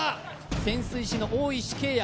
潜水士の大石惠也